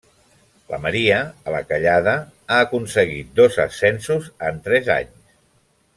La Maria, a la callada, ha aconseguit dos ascensos en tres anys.